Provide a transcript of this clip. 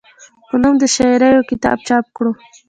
پۀ نوم د شاعرۍ يو کتاب چاپ کړو،